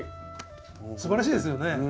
すばらしいですよね。